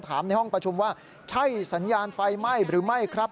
ในห้องประชุมว่าใช่สัญญาณไฟไหม้หรือไม่ครับ